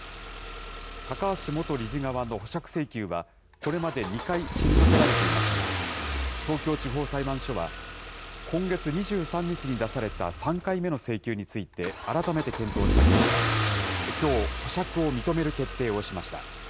高橋元理事側の保釈請求は、これまで２回退けられていますが、東京地方裁判所は、今月２３日に出された３回目の請求について、改めて検討した結果、きょう、保釈を認める決定をしました。